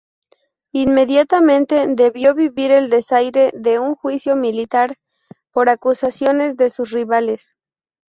Inmediatamente debió vivir el desaire de un juicio militar por acusaciones de sus rivales.